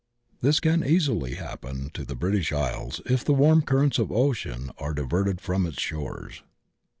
This can easily happen to the British Isles if the warm currents of the ocean are diverted from its shores.